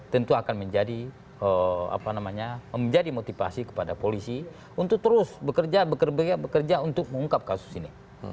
tentu akan menjadi apa namanya menjadi motivasi kepada polisi untuk terus bekerja bekerja bekerja untuk mengungkap kasus ini